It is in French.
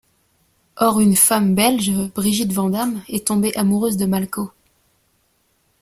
Or une femme belge, Brigitte Vandamme, est tombée amoureuse de Malko.